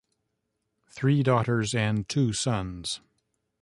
Three daughters and two sons.